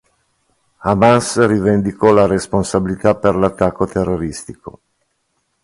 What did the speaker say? Hamas rivendicò la responsabilità per l'attacco terroristico.